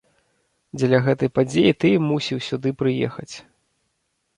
Дзеля гэтай падзеі ты і мусіў сюды прыехаць.